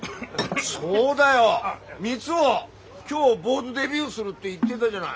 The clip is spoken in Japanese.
そうだよ三生今日坊主デビューするって言ってだじゃない。